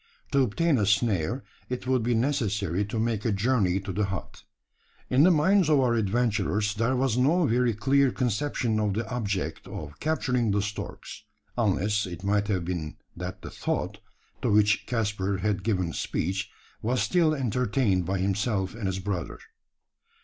To obtain a snare, it would be necessary to make a journey to the hut. In the minds of our adventurers there was no very clear conception of the object of capturing the storks: unless it might have been that the thought, to which Caspar had given speech, was still entertained by himself and his brother.